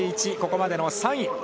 ここまでの３位。